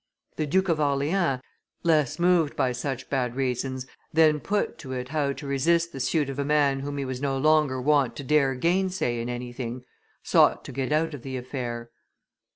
The Duke of Orleans, less moved by such bad reasons than put to it how to resist the suit of a man whom he was no longer wont to dare gainsay in anything, sought to get out of the affair.